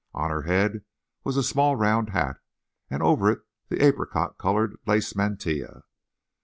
On her head was a small round hat, and over it the apricot coloured lace mantilla.